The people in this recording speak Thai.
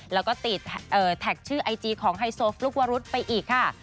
แล้วก็ติดแท็กชื่อไอจีของไฮโซฟลุ๊กวรุษไปอีกค่ะ